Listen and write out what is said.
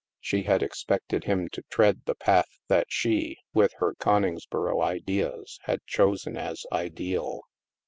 She had expected him to tread the path that she, with her Coningsboro ideas, had chosen as ideal.